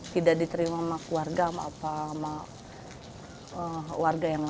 tidak diterima sama keluarga sama warga yang lain seperti itu